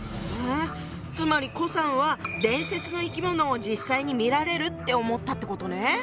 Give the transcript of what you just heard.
つまり顧さんは伝説の生き物を実際に見られるって思ったってことね。